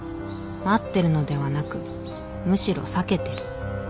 待ってるのではなくむしろ避けてる」